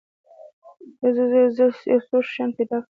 یو څو شیان پیدا کړم.